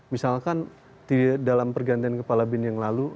misalkan dalam pergantian kepala bin yang lalu